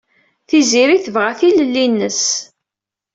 Tiziri tebɣa tilelli-nnes.